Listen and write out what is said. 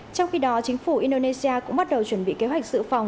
trong khi đó chính phủ indonesia cũng bắt đầu chuẩn bị kế hoạch sự phòng